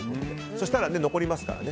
そしたら、残りますからね。